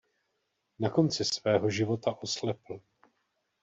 Na konci svého života oslepl.